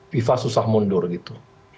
fifa susah mundur gitu